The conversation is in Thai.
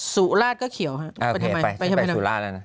สู่ราชก็เขียวค่ะ